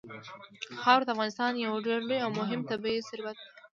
خاوره د افغانستان یو ډېر لوی او مهم طبعي ثروت دی.